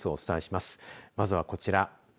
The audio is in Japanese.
まずはこちら。